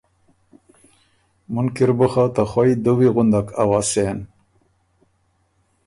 ”مُن کی ر بُو خه ته خوئ دُوی غندک اؤسېن“